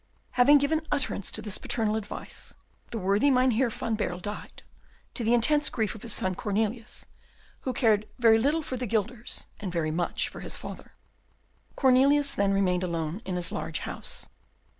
Having given utterance to this paternal advice, the worthy Mynheer van Baerle died, to the intense grief of his son Cornelius, who cared very little for the guilders, and very much for his father. Cornelius then remained alone in his large house.